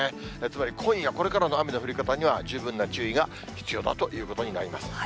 つまり今夜、これからの雨の降り方には十分な注意が必要だということになります。